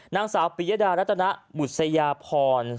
น้องสาวปริยดารัฐนบุษยภร